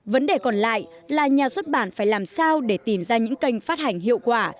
vấn đề còn lại là nhà xuất bản phải làm sao để tìm ra những kênh phát hành hiệu quả